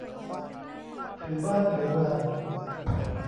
ถือบ้านถือเมือง